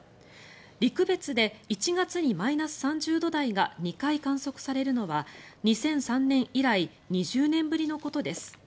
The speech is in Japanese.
陸別で１月にマイナス３０度台が２回観測されるのは２００３年以来２０年ぶりのことです。